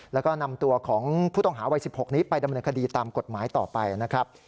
แล้วก็นำตัวของผู้ต้องหาวัย๑๖นี้ไปดำเนินคดีตามกฎหมายต่อไปนะครับ